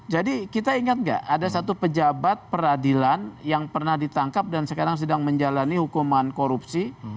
jadi kita ingat nggak ada satu pejabat peradilan yang pernah ditangkap dan sekarang sedang menjalani hukuman korupsi